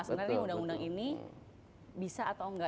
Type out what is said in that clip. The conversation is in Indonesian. sebenarnya undang undang ini bisa atau enggak